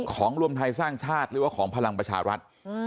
รวมไทยสร้างชาติหรือว่าของพลังประชารัฐ